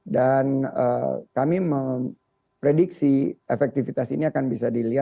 dan kami memprediksi efektivitas ini akan bisa dilakukan